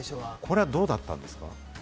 これはどうだったんですか？